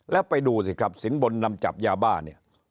แล้วไปดูสิครับสินบนนำจับยาบ้าเนี่ย